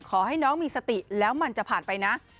ขอให้น้องมีสติแล้วมันจะผ่านไปนะ